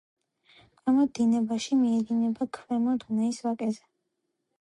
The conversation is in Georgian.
ქვემო დინებაში მიედინება ქვემო დუნაის ვაკეზე.